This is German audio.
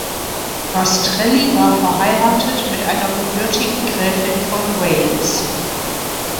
Rastrelli war verheiratet mit einer gebürtigen Gräfin von Wales.